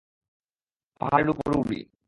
পাহাড়ের উপর উড়ি।